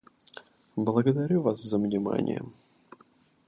Благодарю вас за внимание.